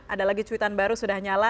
ada lagi cuitan baru sudah nyala